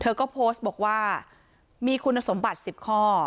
เธอก็โพสต์บอกว่ามีคุณสมบัติ๑๐ข้อ